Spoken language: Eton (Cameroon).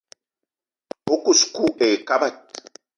O kous kou ayi kabdi.